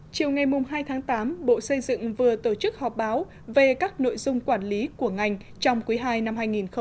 chiều ngày hai tháng tám bộ xây dựng vừa tổ chức họp báo về các nội dung quản lý của ngành trong quý ii năm hai nghìn một mươi chín